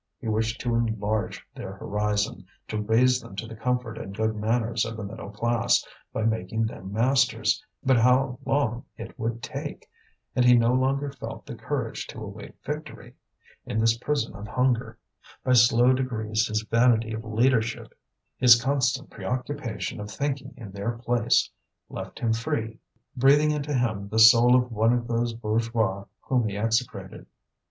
He wished to enlarge their horizon, to raise them to the comfort and good manners of the middle class, by making them masters; but how long it would take! and he no longer felt the courage to await victory, in this prison of hunger. By slow degrees his vanity of leadership, his constant preoccupation of thinking in their place, left him free, breathing into him the soul of one of those bourgeois whom he execrated.